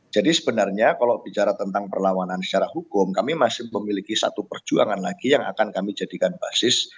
jadi sebenarnya kalau bicara tentang perlawanan secara hukum kami masih memiliki satu perjuangan lagi yang akan kami jadikan basis